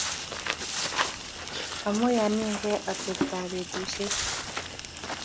Amoyaniege atepetab betusiechu.